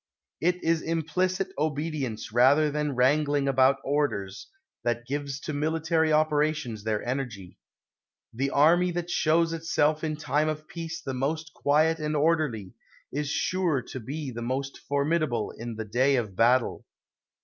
It is implicit obedience rather than wrangling about orders, 249 THE WORLD'S FAMOUS ORATIONS that gives to military operations their energy. The army that shows itself in time of peace 5ie most quiet and orderly, is sure to be the most formidable in the day of battle.